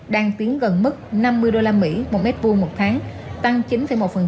đang tiến gần mức năm mươi usd một m hai một tháng tăng chín một so với khu vực